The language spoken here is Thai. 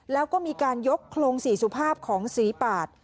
แล้วก็มีการยกโครงสีสุภาพของสีปาด